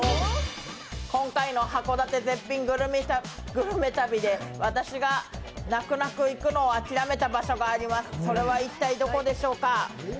今回の「函館絶品グルメ旅」で私が泣く泣く行くのを諦めた場所があります、それは一体どこでしょうか。